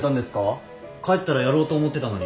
帰ったらやろうと思ってたのに。